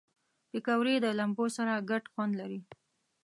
پکورې د لمبو سره ګډ خوند لري